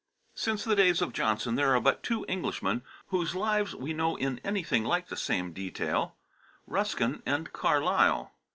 Since the days of Johnson there are but two Englishmen whose lives we know in anything like the same detail Ruskin and Carlyle.